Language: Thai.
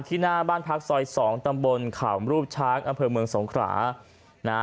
หน้าบ้านพักซอยสองตำบลขามรูปช้างอำเภอเมืองสงขรานะฮะ